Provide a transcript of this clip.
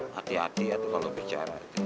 hati hati kalau bicara